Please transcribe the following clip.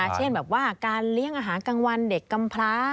เช่นแบบว่าการเลี้ยงอาหารกลางวันเด็กกำพร้า